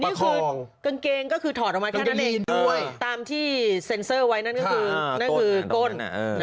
นี่คือกางเกงก็คือถอดออกมาขนาดนั้นเองตามที่เซ็นเซอร์ไว้นั่นก็คือก้นน่ะ